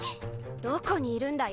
どこにいるんだい？